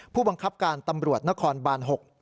ผู้บังคับการตำรวจนครบาน๖